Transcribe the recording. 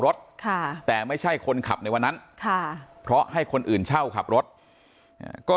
รถค่ะแต่ไม่ใช่คนขับในวันนั้นค่ะเพราะให้คนอื่นเช่าขับรถก็